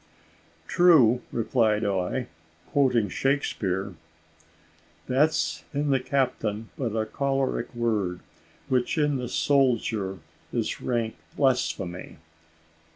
"True," replied I, quoting Shakespeare: "`That's in the captain but a choleric word, Which in the soldier is rank blasphemy.'"